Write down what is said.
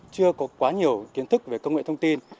chưa có quá nhiều kiến thức về công nghệ thông tin